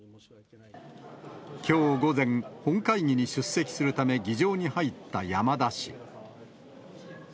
きょう午前、本会議に出席するため議場に入った山田氏。